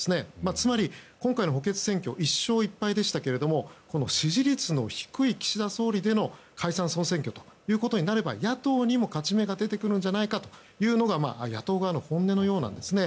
つまり、今回の補欠選挙１勝１敗でしたが支持率の低い岸田総理での解散・総選挙ということになれば野党にも勝ち目があるんじゃないかというのが野党側の本音のようなんですね。